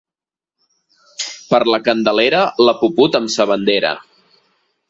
Per la Candelera, la puput amb sa bandera.